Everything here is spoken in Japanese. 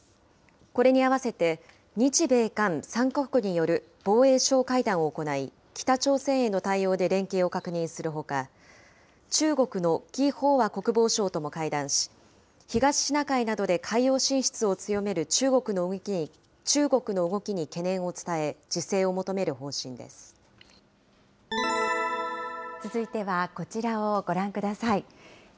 これに合わせて、日米韓３か国による防衛相会談を行い、北朝鮮への対応で連携を確認するほか、中国の魏鳳和国防相とも会談し、東シナ海などで海洋進出を強める中国の動きに懸念を伝え、自制を続いてはこちらをご覧ください。